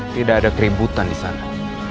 tidak ada keributan di sana